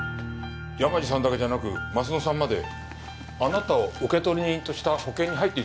山路さんだけじゃなく鱒乃さんまであなたを受取人とした保険に入っていたんですよ。